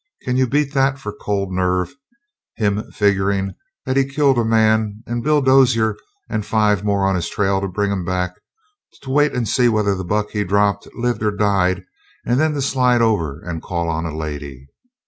Can you beat that for cold nerve, him figuring that he'd killed a man, and Bill Dozier and five more on his trail to bring him back to wait and see whether the buck he dropped lived or died and then to slide over and call on a lady?